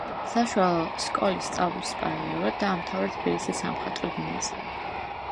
საშუალო სკოლის სწავლის პარალელურად დაამთავრა თბილისის სამხატვრო გიმნაზია.